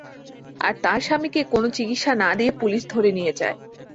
আর তাঁর স্বামীকে কোনো চিকিৎসা না দিয়ে পুলিশ ধরে নিয়ে যায়।